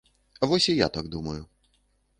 Вось і я так думаю.